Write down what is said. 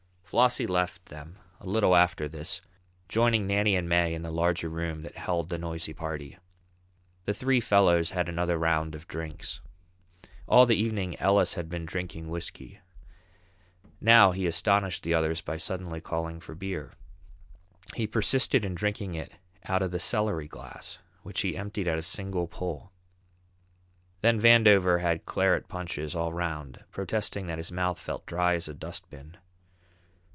Flossie left them a little after this, joining Nannie and May in the larger room that held the noisy party. The three fellows had another round of drinks. All the evening Ellis had been drinking whisky. Now he astonished the others by suddenly calling for beer. He persisted in drinking it out of the celery glass, which he emptied at a single pull. Then Vandover had claret punches all round, protesting that his mouth felt dry as a dust bin.